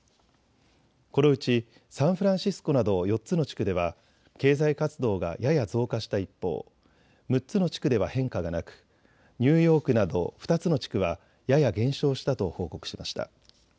このうちサンフランシスコなど４つの地区では経済活動がやや増加した一方、６つの地区では変化がなくニューヨークなど２つの地区はやや減少したと報告しました。